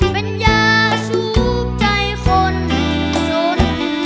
เป็นยาซูบใจคนจน